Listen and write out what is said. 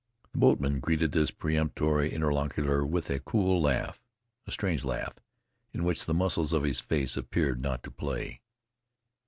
The boatman greeted this peremptory interlocutor with a cool laugh a strange laugh, in which the muscles of his face appeared not to play.